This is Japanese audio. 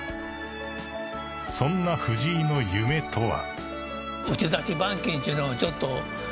［そんな藤井の夢とは］